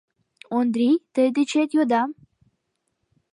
Ондрий, тый дечет йодам!